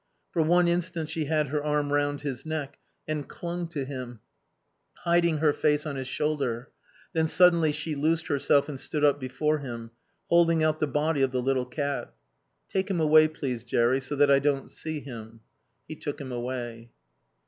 For one instant she had her arm round his neck and clung to him, hiding her face on his shoulder. Then suddenly she loosed herself and stood up before him, holding out the body of the little cat. "Take him away, please, Jerry, so that I don't see him." He took him away.